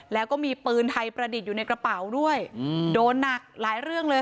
แล้วก็มีปืนไทยประดิษฐ์อยู่ในกระเป๋าด้วยโดนหนักหลายเรื่องเลย